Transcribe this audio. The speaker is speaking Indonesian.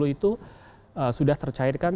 itu sudah tercairkan